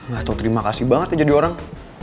gak tau terima kasih banget ya jadi orang